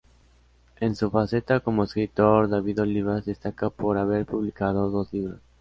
En su faceta como escritor, David Olivas destaca por haber publicado dos libros.